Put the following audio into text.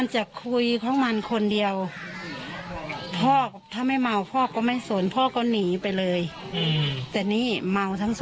หืม